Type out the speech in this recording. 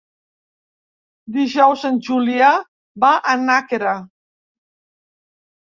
Dijous en Julià va a Nàquera.